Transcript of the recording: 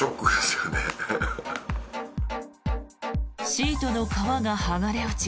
シートの皮が剥がれ落ち